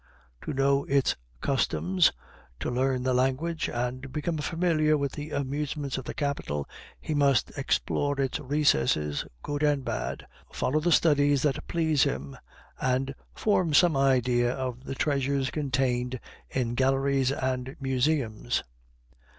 To know its customs; to learn the language, and become familiar with the amusements of the capital, he must explore its recesses, good and bad, follow the studies that please him best, and form some idea of the treasures contained in galleries and museums.